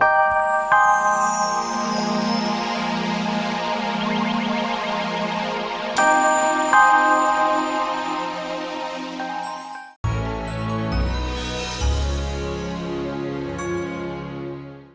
sampai jumpa lagi om